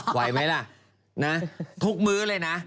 ไหวไหมล่ะนะทุกมื้อเลยนะ